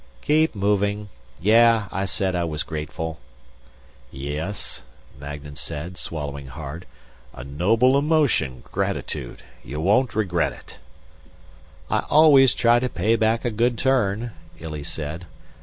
"Keep moving. Yeah, I said I was grateful." "Yes," Magnan said, swallowing hard. "A noble emotion, gratitude. You won't regret it." "I always try to pay back a good turn," Illy said.